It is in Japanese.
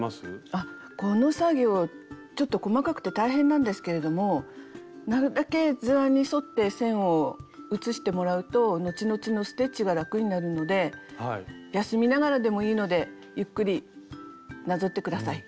あっこの作業ちょっと細かくて大変なんですけれどもなるだけ図案に沿って線を写してもらうとのちのちのステッチが楽になるので休みながらでもいいのでゆっくりなぞって下さい。